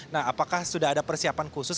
nah apakah sudah ada persiapan khusus